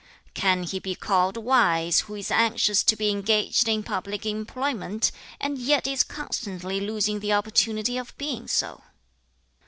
'Can he be called wise, who is anxious to be engaged in public employment, and yet is constantly losing the opportunity of being so?'